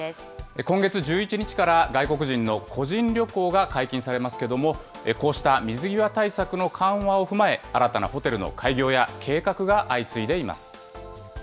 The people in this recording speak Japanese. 今月１１日から外国人の個人旅行が解禁されますけれども、こうした水際対策の緩和を踏まえ、新たなホテルの開業や計画が相次いでいます。